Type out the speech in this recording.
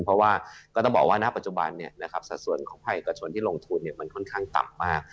เพราะว่าก็ต้องบอกว่าณปัจจุบันสัดส่วนของภาคเอกชนที่ลงทุนมันค่อนข้างต่ำมาก